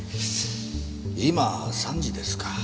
今３時ですか。